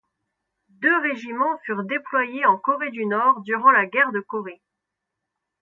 Deux régiments furent déployés en Corée du Nord durant la guerre de Corée.